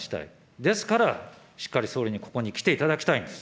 ですから、しっかり総理にここに来ていただきたいんです。